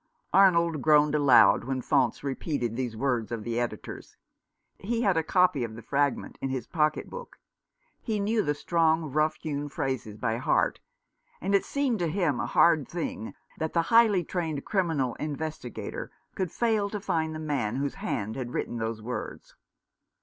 Arnold groaned aloud when Faunce repeated these v/ords of the Editor's. He had a copy of the fragment in his pocket book. He knew the strong, rough hewn phrases by heart ; and it seemed to him a hard thing that the highly trained criminal investigator could fail to find the man whose hand had written those words.